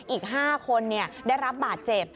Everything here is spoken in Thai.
อีก๕คนได้รับบาดเจ็บ